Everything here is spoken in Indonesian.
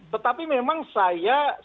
tetapi memang saya sepakat